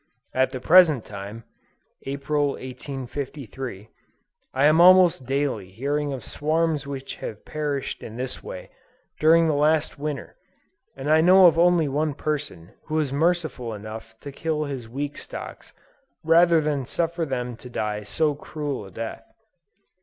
At the present time, (April 1853,) I am almost daily hearing of swarms which have perished in this way, during the last Winter; and I know of only one person who was merciful enough to kill his weak stocks, rather than suffer them to die so cruel a death.